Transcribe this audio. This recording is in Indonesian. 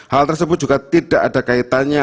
hal tersebut juga tidak ada kaitannya